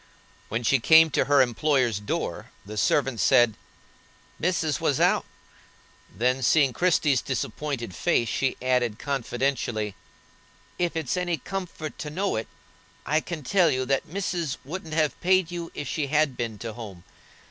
When she came to her employer's door, the servant said: "Missis was out;" then seeing Christie's disappointed face, she added, confidentially: "If it's any comfort to know it, I can tell you that missis wouldn't have paid you if she had a been to home.